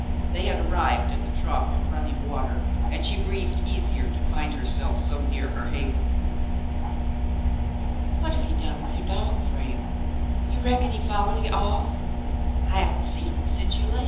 They had arrived at the trough of running water, and she breathed easier to find herself so near her haven. "What have you done with your dog, Frale? You reckon he followed you off .^ I haven't seen him since you left.''